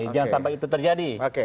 jangan sampai itu terjadi